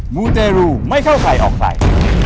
มูเตรูไม่เข้าใครออกใคร